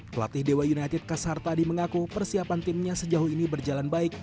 pelatih dewa united kasar tadi mengaku persiapan timnya sejauh ini berjalan baik